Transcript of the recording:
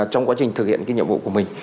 trong quá trình thực hiện cái nhiệm vụ của mình